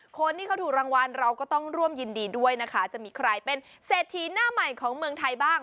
คนที่เขาถูกรางวัลเราก็ต้องร่วมยินดีด้วยนะคะจะมีใครเป็นเศรษฐีหน้าใหม่ของเมืองไทยบ้าง